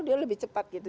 dia lebih cepat gitu